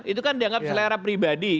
itu kan dianggap selera pribadi